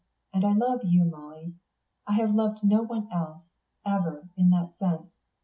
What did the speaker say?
And I love you, Molly. I have loved no one else, ever, in that sense....